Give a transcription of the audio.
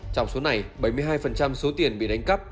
trong số này bảy mươi hai số tiền bị đánh cắp